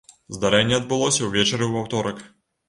Здарэнне адбылося ўвечары ў аўторак.